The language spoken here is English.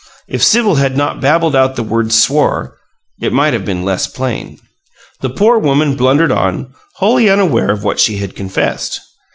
If Sibyl had not babbled out the word "swore" it might have been less plain. The poor woman blundered on, wholly unaware of what she had confessed.